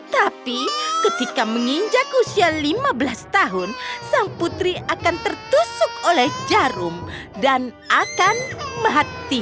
tapi ketika menginjak usia lima belas tahun sang putri akan tertusuk oleh jarum dan akan mati